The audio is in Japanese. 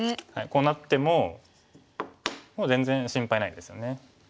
こうなってももう全然心配ないですよね。